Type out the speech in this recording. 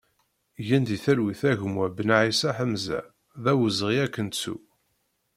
Gen di talwit a gma Benaïssa Ḥamza, d awezɣi ad k-nettu!